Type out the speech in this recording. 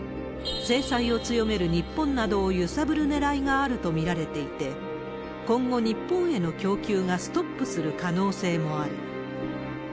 制裁を強める日本などを揺さぶるねらいがあると見られていて、今後、日本への供給がストップする可能性もある。